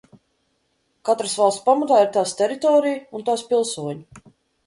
Katras valsts pamatā ir tās teritorija un tās pilsoņi.